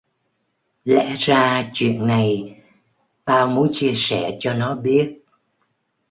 Lẽ ra chuyện này tao muốn chia sẻ cho nó biết